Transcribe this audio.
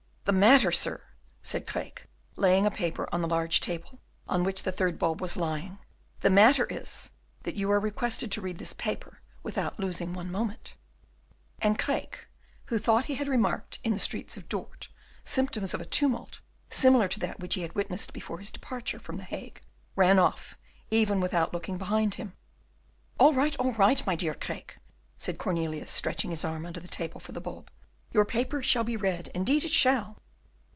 "The matter, sir!" said Craeke, laying a paper on the large table, on which the third bulb was lying, "the matter is, that you are requested to read this paper without losing one moment." And Craeke, who thought he had remarked in the streets of Dort symptoms of a tumult similar to that which he had witnessed before his departure from the Hague, ran off without even looking behind him. "All right! all right! my dear Craeke," said Cornelius, stretching his arm under the table for the bulb; "your paper shall be read, indeed it shall."